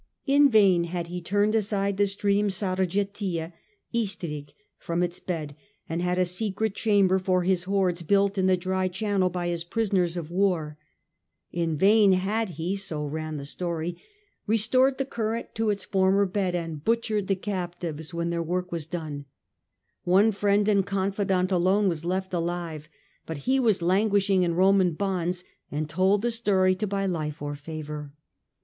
In vain had he turned aside the stream Sargetia (Istrig) from its bed, and had a secret chamber for his hoards built in the dry channel by his ptisoners of war. In vain had he, so ran the storyi ro> and after obstinate fighting crushed the Dacian power. A.O. 106. 97 117 Trajan. 35 Stored the current to its former bed, and butchered the captives when their work was done. One friend and confidant alone was left alive, but he was languishing in Roman bonds, and told the story to buy life or favour.